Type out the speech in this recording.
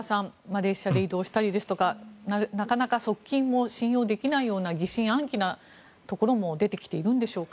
列車で移動したりですとかなかなか側近も信用できないような疑心暗鬼なところも出てきているんでしょうか？